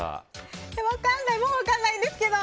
もう分かんないんですけど。